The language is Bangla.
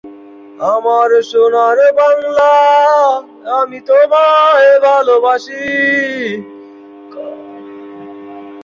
এ জেলাটি প্রাচীন কাল থেকে বিভিন্ন ঐতিহাসিক নিদর্শনের জন্য সুপরিচিত।